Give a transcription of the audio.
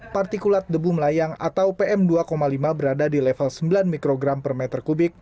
partikulat debu melayang atau pm dua lima berada di level sembilan mikrogram per meter kubik